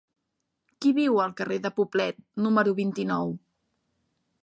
Qui viu al carrer de Poblet número vint-i-nou?